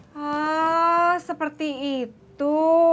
haaa seperti itu